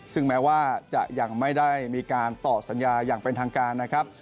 ซึ่งแม้ว่าจะยังไม่ได้มีการต่อสัญญาอย่างเป็นทางการนะครับ